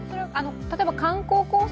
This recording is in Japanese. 例えば観光コース